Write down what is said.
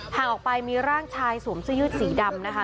ห่างออกไปมีร่างชายสวมเสื้อยืดสีดำนะคะ